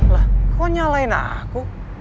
lah kok nyalain aku